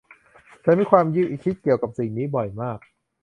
ฉันมีความคิดเกี่ยวกับสิ่งนี้บ่อยมาก